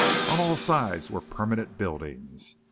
On all sides were permanent buildings.